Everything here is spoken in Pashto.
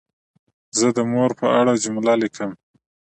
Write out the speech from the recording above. زه د مور په اړه جمله لیکم.